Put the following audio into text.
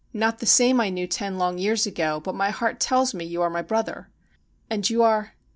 ' Not the same I knew ten long years ago, but my heart tells me you are my brother.' ' And you are